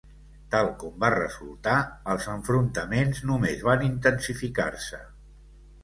Tal com va resultar, els enfrontaments només van intensificar-se.